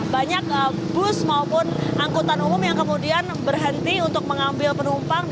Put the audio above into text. banyak bus maupun angkutan umum yang kemudian berhenti untuk mengambil penumpang